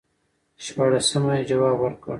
شپاړسمه یې جواب ورکړ.